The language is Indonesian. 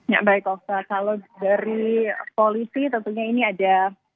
ya baik oke kalau dari polisi tentunya ini ada